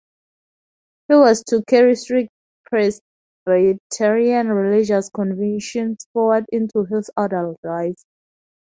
He was to carry strict Presbyterian religious convictions forward into his adult life.